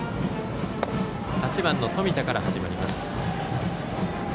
８番の冨田から始まります。